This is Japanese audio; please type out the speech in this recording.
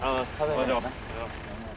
お願いします。